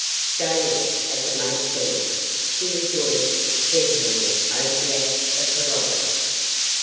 Shameless as it may seem, she rejoiced exceedingly over the acts of the robbers.